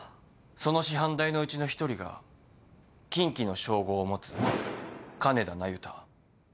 その師範代のうちの一人が金鬼の称号を持つ金田那由他。